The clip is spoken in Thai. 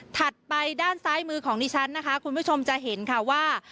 ไปด้านซ้ายมือของดิฉันนะคะคุณผู้ชมจะเห็นค่ะว่า